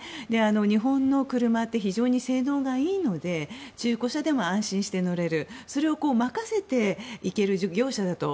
日本の車って非常に性能がいいので中古車でも安心して乗れるそれを任せていける業者だと。